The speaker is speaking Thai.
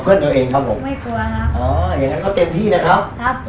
ผมก็รู้อยู่แล้วว่าอัปเดตเนี่ยเป็นคนที่เก่งอยู่แล้วครับ